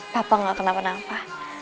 papa gak kenapa kenapa